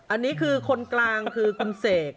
อันนี้คือคนกลางคือคุณเสก